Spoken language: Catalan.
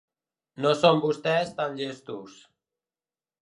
No són vostès tan llestos.